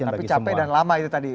tapi capek dan lama itu tadi